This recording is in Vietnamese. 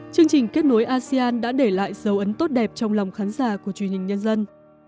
chương trình kết nối asean đã để lại dấu ấn tốt đẹp trong lòng khán giả của truyền hình nhân dân